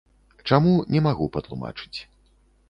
Чаму, не магу патлумачыць.